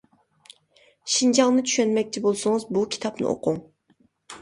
شىنجاڭنى چۈشەنمەكچى بولسىڭىز، بۇ كىتابنى ئوقۇڭ.